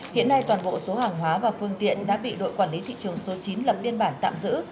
hiện nay toàn bộ số hàng hóa và phương tiện đã bị đội quản lý thị trường số chín lập biên bản tạm giữ